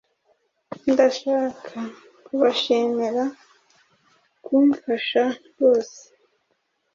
Ndashaka kubashimira kumfasha rwose.